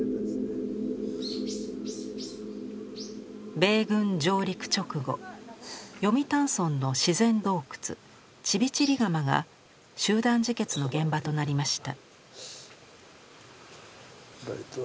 米軍上陸直後読谷村の自然洞窟チビチリガマが集団自決の現場となりました。